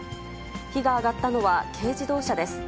火が上がったのは軽自動車です。